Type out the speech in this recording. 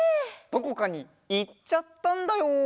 どこかにいっちゃったんだよ。